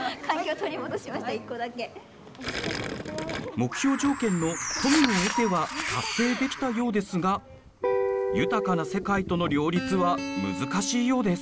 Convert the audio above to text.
目標条件の「富を得て」は達成できたようですが「豊かな世界」との両立は難しいようです。